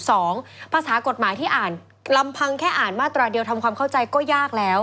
ภาษากฎหมายที่อ่านลำพังแค่อ่านมาตราเดียวทำความเข้าใจก็ยากแล้ว